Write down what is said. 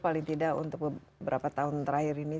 paling tidak untuk beberapa tahun terakhir ini